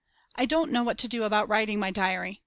I don't know what to do about writing my diary.